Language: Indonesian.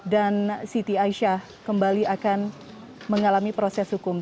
dan siti aisyah kembali akan mengalami proses hukum